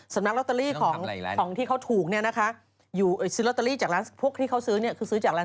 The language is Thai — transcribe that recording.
สำนักลอตเตอรี่ของที่เขาถูกพวกเขาซื้อคือซื้อจากร้าน๗๑๑